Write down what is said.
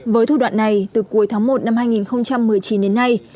với thủ đoạn này từ cuối tháng một năm hai nghìn một mươi chín đến nay